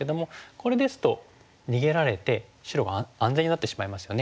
これですと逃げられて白が安全になってしまいますよね。